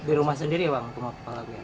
di rumah sendiri ya bang